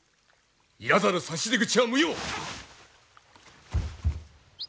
いらざる差し出口は無用！